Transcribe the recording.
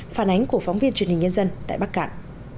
phản ánh của phóng viên truyền hình nhân dân tại bắc cạn